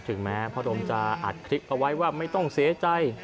ถึงแม้พระดมจะอัดคลิปเอาไว้ว่าไม่ต้องเสียใจ